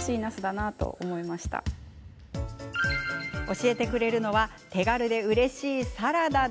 教えてくれるのは手軽でうれしいサラダ。